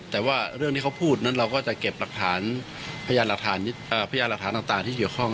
แต่ว่าเรื่องที่เขาพูดนั้นเราก็จะเก็บหลักฐานพยานหลักฐานต่างที่เกี่ยวข้อง